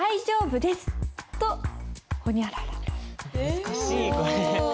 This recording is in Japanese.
難しいこれ。